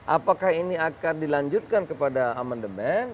apakah ini akan dilanjutkan kepada amandemen